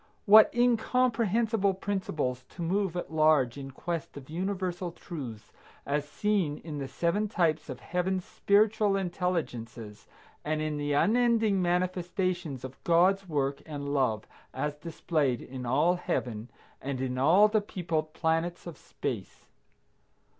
What incomprehensible principles, to move at large in quest of universal truths as seen in the seven types of Heaven's spiritual intelligences, and in the unending manifestations of God's work and love as displayed in all heaven and in all the peopled planets of space!